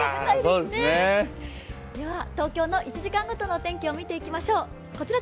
では、東京の１時間ごとの天気を見ていきましょう。